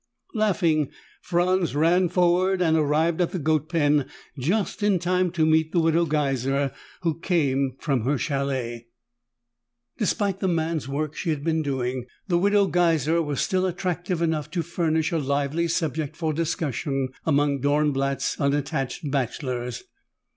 Laughing, Franz ran forward and arrived at the goat pen just in time to meet the Widow Geiser, who came from her chalet. Despite the man's work she had been doing, the Widow Geiser was still attractive enough to furnish a lively subject for discussion among Dornblatt's unattached bachelors.